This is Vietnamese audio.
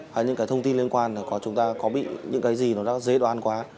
hay những thông tin liên quan chúng ta có bị những cái gì nó đã dế đoan quá